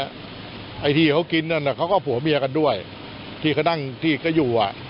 ไอ้ที่เขากินนั่นน่ะเขาก็ผัวเมียกันด้วยที่เขานั่งที่เขาอยู่อ่ะ